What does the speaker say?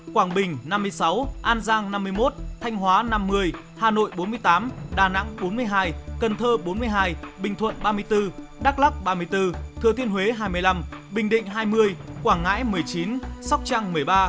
quảng bình năm mươi sáu an giang năm mươi một thanh hóa năm mươi hà nội bốn mươi tám đà nẵng bốn mươi hai cần thơ bốn mươi hai bình thuận ba mươi bốn đắk lắc ba mươi bốn thừa thiên huế hai mươi năm bình định hai mươi quảng ngãi một mươi chín sóc trăng một mươi ba